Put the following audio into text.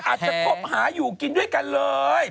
ก็อาจจะเพิ่มหาอยู่กินด้วยกันเลย